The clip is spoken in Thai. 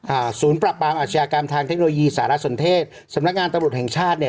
ศูนย์ปรับปรามอาชญากรรมทางเทคโนโลยีสารสนเทศสำนักงานตำรวจแห่งชาติเนี่ย